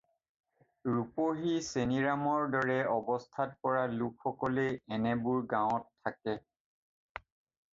ৰূপহী চেনিৰামৰ দৰে অৱস্থাত পৰা লোকসকলেই এনেবোৰ গাৱঁত থাকে।